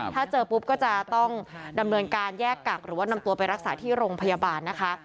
ถ้าเจอปุ๊บก็จะต้องดำเนินการแยกกักหรือว่านำตัวไปรักษาที่โรงพยาบาลนะคะ